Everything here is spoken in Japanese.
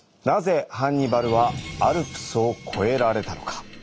なぜハンニバルはアルプスを越えられたのか？